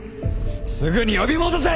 すぐに呼び戻せ！